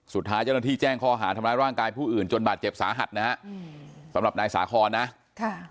สุดท้ายเจ้าหน้าที่แจ้งข้อหาทำร้ายร่างกายผู้อื่นจนบาดเจ็บสาหัสนะฮะอืมสำหรับนายสาคอนนะค่ะ